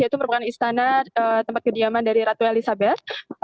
yaitu merupakan istana tempat kediaman dari ratu elizabeth